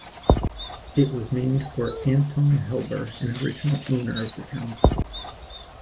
It was named for Anton Halbur, an original owner of the town site.